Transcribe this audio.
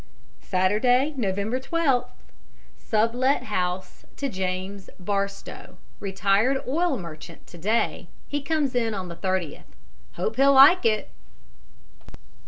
"Saturday, November 12th. Sublet house to James Barstow, retired oil merchant, to day. He comes in on the 30th. Hope he'll like it!